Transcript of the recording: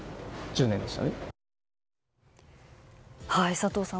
佐藤さん